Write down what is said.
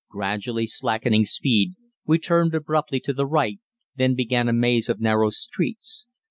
Gradually slackening speed, we turned abruptly to the right, then began a maze of narrow streets.